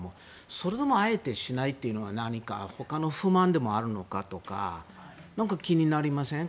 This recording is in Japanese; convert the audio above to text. それでもあえてしないというのは何かほかの不満でもあるのかとか気になりません？